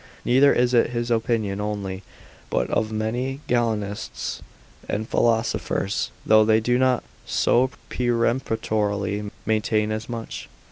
Neither is it his opinion only, but of many Galenists and philosophers, though they do not so peremptorily maintain as much.